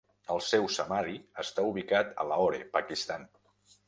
El seu samadhi està ubicat a Lahore, Pakistan.